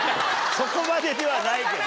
そこまでではないけど。